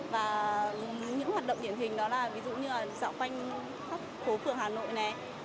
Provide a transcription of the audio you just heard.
và những hoạt động điển hình đó là ví dụ như là dạo quanh khắp phố phường hà nội này